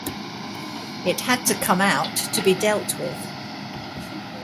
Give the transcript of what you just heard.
It had to come out, to be dealt with.